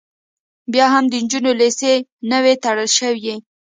بیا هم د نجونو لیسې نه وې تړل شوې